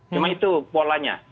cuma itu polanya